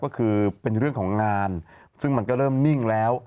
ก็คือเป็นเรื่องของงานซึ่งมันก็เริ่มนิ่งแล้ว